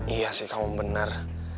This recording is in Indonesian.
iya sih kamu bener